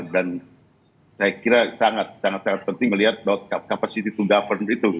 dan saya kira sangat sangat penting melihat kapasiti to govern itu